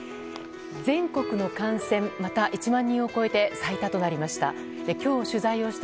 全国の感染、また１万人を超えて最多となりました。